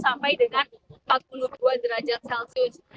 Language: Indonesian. sampai dengan empat puluh dua derajat celcius